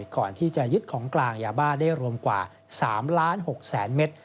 ก่อนที่จะยึดของกลางยาบ้าได้รวมกว่า๓๖๐๐๐เมตร